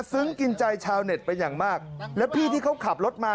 กินใจชาวเน็ตเป็นอย่างมากแล้วพี่ที่เขาขับรถมา